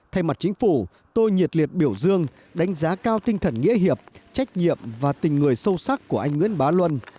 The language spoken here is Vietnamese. thay mặt chính phủ tôi nhiệt liệt biểu dương đánh giá cao tinh thần nghĩa hiệp trách nhiệm và tình người sâu sắc của anh nguyễn bá luân